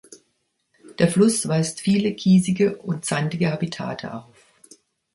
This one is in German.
Der Fluss weist viele kiesige und sandige Habitate auf.